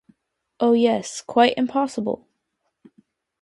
Oh yes, quite impossible!